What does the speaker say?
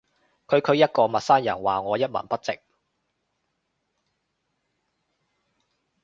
區區一個陌生人話我一文不值